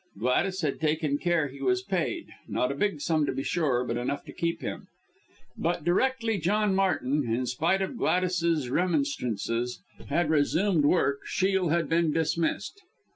Gladys had taken care he was paid not a big sum to be sure but enough to keep him. But directly John Martin, in spite of Gladys's remonstrances, had resumed work, Shiel had been dismissed.